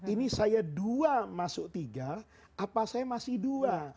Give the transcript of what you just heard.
ini saya dua masuk tiga apa saya masih dua